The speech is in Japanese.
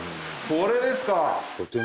これですか。